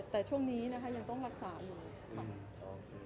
แต่ช่วงนี้นะคะยังต้องรักษาอยู่ค่ะ